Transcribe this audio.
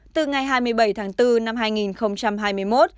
từ ngày hai mươi bảy tháng bốn năm hai nghìn hai mươi một